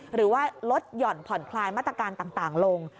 หรือว่าลดหย่อนผ่อนคลายมาตรการต่างลง